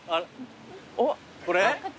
これ？